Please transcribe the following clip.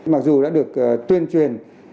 mặc dù đã được tuyên truyền